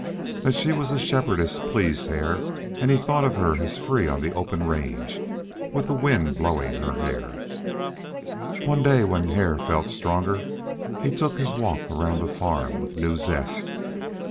That she was a shepherdess pleased Hare, and he thought of her as free on the open range, with the wind blowing her hair. One day when Hare felt stronger he took his walk round the farm with new zest.